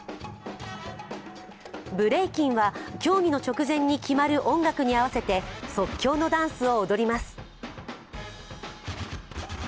ブレイキンは、競技の直前に決まる音楽に合わせて即興のダンスを踊ります。